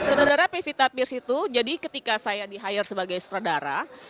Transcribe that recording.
sebenarnya pevita pierce itu jadi ketika saya di hire sebagai sutradara